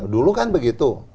dulu kan begitu